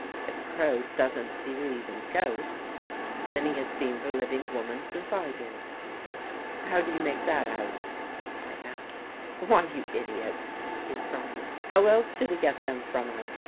If Crow doesn't believe in ghosts, then he has seen the living woman since I did." "How do you make that out?" I asked. " Why, you idiot," he cried, " how else did he get them from her?